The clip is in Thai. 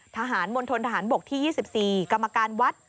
ทหารมลทนทหารบกที่๒๔กรรมการวัด